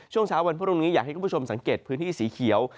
ช่วงเช้าวันพรุ่งนี้อยากให้คุณผู้ชมสังเกตพื้นที่สีเขียว